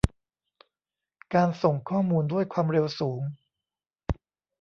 การส่งข้อมูลด้วยความเร็วสูง